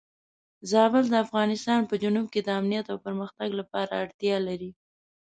زابل د افغانستان په جنوب کې د امنیت او پرمختګ لپاره اړتیا لري.